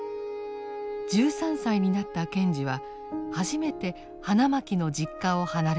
１３歳になった賢治は初めて花巻の実家を離れました。